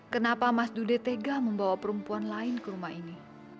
kenapa mas dude tega membawa perempuan lain ke rumah ini